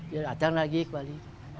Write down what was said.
dia datang lagi ke bali